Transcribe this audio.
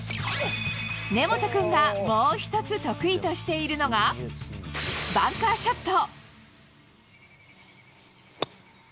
根本君がもう１つ得意としているのが、バンカーショット。